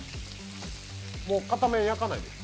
もう片面は焼かないです。